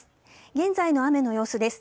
現在の雨の様子です。